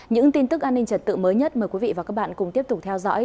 những tin tức an ninh trật tự mới nhất mời quý vị và các bạn cùng tiếp tục theo dõi